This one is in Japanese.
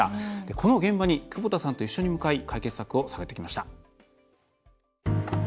この現場に久保田さんと一緒に向かい解決策を探ってきました。